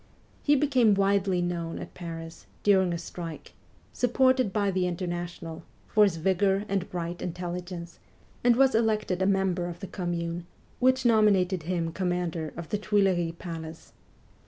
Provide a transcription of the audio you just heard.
He became widely known at Paris, during a strike, supported by the International, for his vigour and bright intelligence, and was elected a member of the Commune, which nomi nated him commander of the Tuileries Palace.